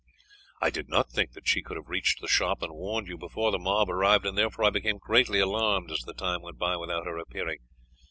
"I did not think that she could have reached the shop and warned you before the mob arrived, and therefore I became greatly alarmed as the time went by without her appearing.